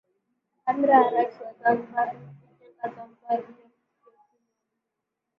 Dhamira ya Rais wa Zanzibar ni kuijenga Zanzibar mpya kipitia uchumi wa bluu